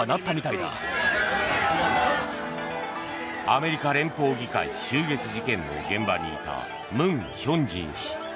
アメリカ連邦議会襲撃事件の現場にいた文亨進氏。